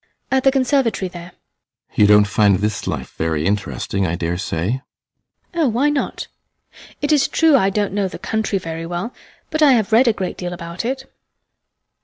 HELENA. At the Conservatory there. ASTROFF. You don't find this life very interesting, I dare say? HELENA. Oh, why not? It is true I don't know the country very well, but I have read a great deal about it. ASTROFF.